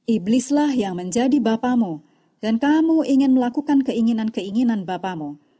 iblislah yang menjadi bapamu dan kamu ingin melakukan keinginan keinginan bapamu